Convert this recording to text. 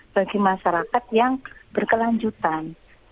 bagi masyarakat yang berkelanjutan